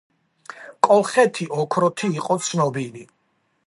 კოლხეთი ოქროთი იყო ცნობილი